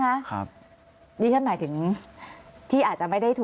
ก็คลิปออกมาแบบนี้เลยว่ามีอาวุธปืนแน่นอน